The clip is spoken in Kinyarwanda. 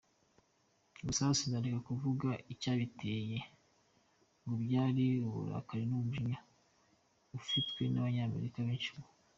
Gusa sinareka kuvuga icyabinteye ko byari uburakari n’umujinya, ufitwe n’Abanyamerika benshi ubu.